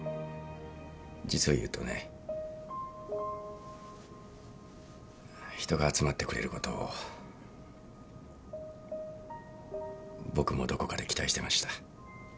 実を言うとね人が集まってくれることを僕もどこかで期待してました。